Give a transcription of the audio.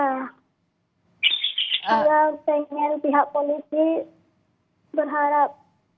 kalau ingin pihak polisi berharap